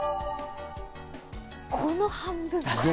この半分。